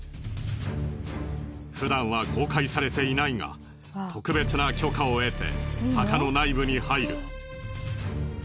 ふだんは公開されていないが特別な許可を得て墓の内部に入る。